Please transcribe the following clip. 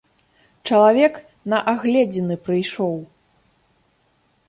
Чалавек на агледзіны прыйшоў.